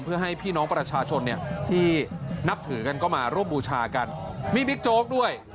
เพื่อให้พี่น้องประชาชนเนี่ยที่นับถือกันก็มาร่วมบูชากันมีบิ๊กโจ๊กด้วย